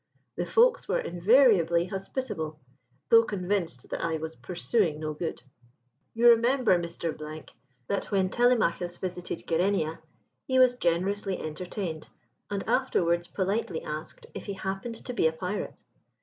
The folks were invariably hospitable, though convinced that I was pursuing no good. You remember, Mr. , that when Telemachus visited Gerenia he was generously entertained, and afterwards politely asked if he happened to be a pirate.